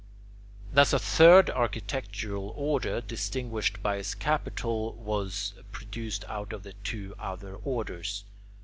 Thus a third architectural order, distinguished by its capital, was produced out of the two other orders.